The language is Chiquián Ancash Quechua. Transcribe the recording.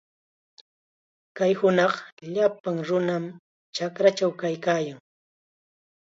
Kay hunaqqa llapan nunam chakrachaw kaykaayan.